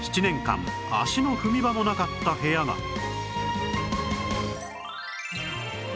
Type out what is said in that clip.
７年間足の踏み場もなかった部屋が